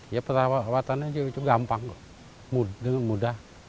ya perawatannya juga gampang mudah